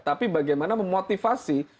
tapi bagaimana memotivasi